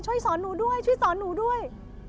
ช่วยสอนหนูด้วย